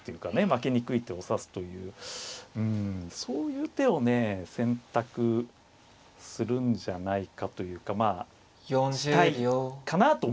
負けにくい手を指すといううんそういう手をね選択するんじゃないかというかまあしたいかなと思いますね。